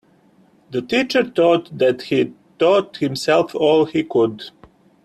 The teacher thought that he'd taught himself all he could.